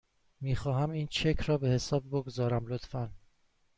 میخواهم این چک را به حساب بگذارم، لطفاً.